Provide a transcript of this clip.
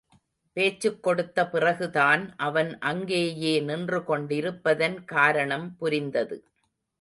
பேச்சுக் கொடுத்த பிறகுதான் அவன் அங்கேயே நின்று கொண்டிருப்பதன் காரணம் புரிந்தது.